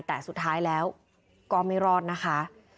แต่สุดท้ายแล้วก็ไม่รอดนะคะ